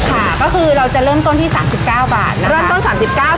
ค่ะก็คือเราจะเริ่มต้นที่๓๙บาทนะเริ่มต้น๓๙บาท